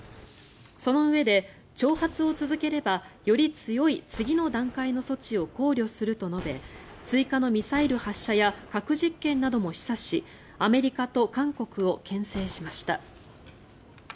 そのうえで、挑発を続ければより強い次の段階の措置を考慮すると述べ追加のミサイル発射や核実験なども示唆しアメリカと韓国をけん制しました。